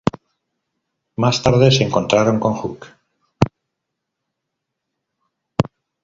Más tarde, se encontraron con Hok.